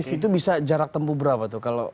itu bisa jarak tempuh berapa tuh